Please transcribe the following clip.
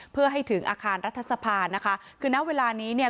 เพื่อให้ถึงอาคารรัฐสภานะคะคือณเวลานี้เนี่ย